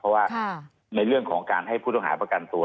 เพราะว่าในเรื่องของการให้ผู้ต้องหาประกันตัว